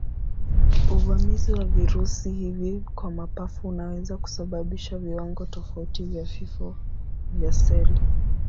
Uvamizi wa virusi hivi kwa mapafu unaweza kusababisha viwango tofauti vya vifo vya seli.